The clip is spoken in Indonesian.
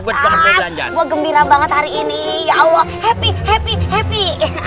wah gue gembira banget hari ini ya allah happy happy happy